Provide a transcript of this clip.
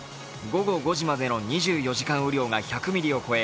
午後５時までの２４時間雨量が１００ミリを超え